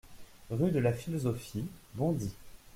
Rue de la Philosophie, Bondy